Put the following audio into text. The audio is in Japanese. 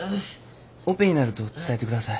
オペになると伝えてください。